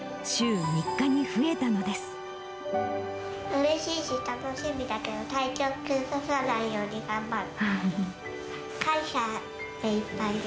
うれしいし楽しみだけど、体調崩さないように頑張る。